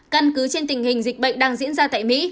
căn cứ trên tình hình dịch bệnh đang diễn ra tại mỹ